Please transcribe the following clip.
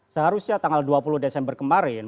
seharusnya tanggal dua puluh desember kemarin